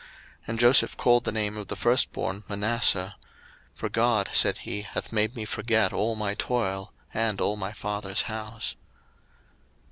01:041:051 And Joseph called the name of the firstborn Manasseh: For God, said he, hath made me forget all my toil, and all my father's house.